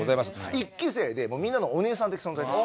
一期生でみんなのお姉さん的存在です。